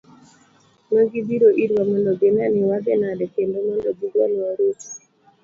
Ne gibiro irwa mondo ginee ni wadhi nade kendo mondo gigonwa oriti.